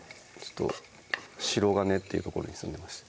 白金っていう所に住んでました